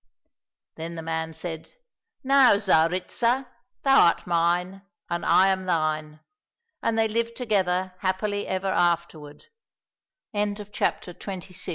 Then the man said, " Now, Tsaritsa, thou art mine and I am thine." And they lived together happily ever afterward. 258 THE ST